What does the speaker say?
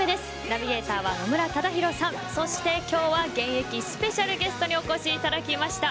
ナビゲーターは野村忠宏さんそして今日は現役スペシャルゲストにお越しいただきました。